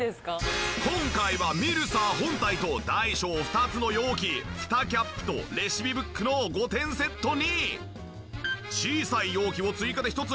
今回はミルサー本体と大小２つの容器フタキャップとレシピブックの５点セットに小さい容器を追加で１つ。